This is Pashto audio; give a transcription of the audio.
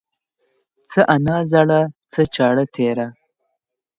څه انا زړه ، څه چاړه تيره.